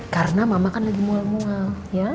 karena mama kan lagi mual mual